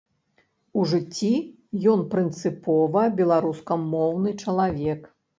У жыцці ён прынцыпова беларускамоўны чалавек.